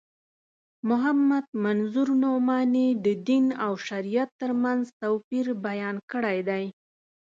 محمد منظور نعماني د دین او شریعت تر منځ توپیر بیان کړی دی.